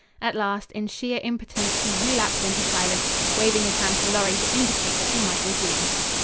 At last, in sheer impotence, he relapsed into silence, waving his hand to Lorry to indicate that he might resume.